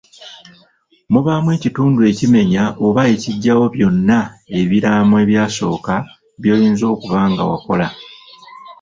Mubaamu ekitundu ekimenya oba ekiggyawo byonna ebiraamo ebyasooka by'oyinza okuba nga wakola.